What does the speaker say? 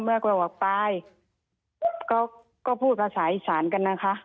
แม่ก็บอกว่าปายก็พูดภาษาอีสานกันนะคะ